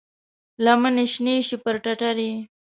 لمنې شنې شي پر ټټر یې،